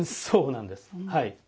そうなんですはい。